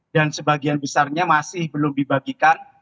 sebagian besarnya masih belum dibagikan